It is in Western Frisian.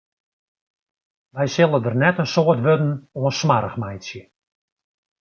Wy sille der net in soad wurden oan smoarch meitsje.